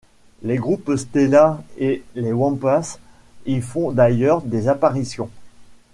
Les groupes Sttellla et les Wampas y font d'ailleurs des apparitions.